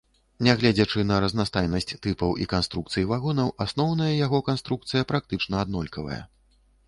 Нягледзячы на разнастайнасць тыпаў і канструкцый вагонаў, асноўная яго канструкцыя практычна аднолькавая.